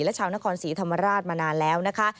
และชาวนครศรีธรรมราชมานานแล้วนะคะ